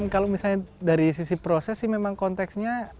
kalau misalnya dari sisi proses sih memang konteksnya